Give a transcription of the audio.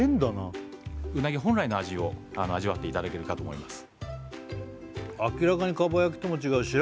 本来の味を味わっていただけるかと思います